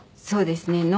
そうですね。